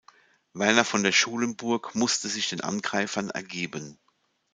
Werner von der Schulenburg musste sich den Angreifern ergeben.